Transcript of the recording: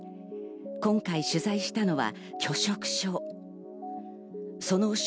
今回、取材したのは拒食症。